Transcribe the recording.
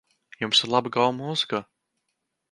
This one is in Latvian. Jums ir laba gaume mūzikā.